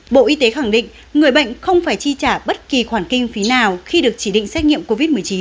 bộ y tế khẳng định người bệnh không phải chi trả bất kỳ khoản kinh phí nào khi được chỉ định xét nghiệm covid một mươi chín